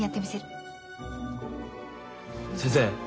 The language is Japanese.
先生